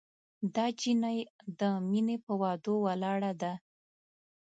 دا جینۍ د مینې پهٔ وعدو ولاړه ده